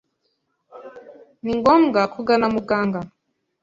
ni ngombwa kugana muganga